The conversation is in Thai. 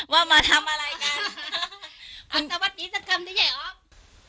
ว่ามาทำอะไรกันสวัสดีสักคำด้วยใหญ่ออฟ